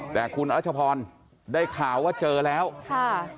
แต่คุณรัชพรได้ข่าวว่าเจอแล้วค่ะ